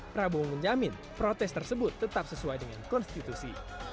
prabowo menjamin protes tersebut tetap sesuai dengan konstitusi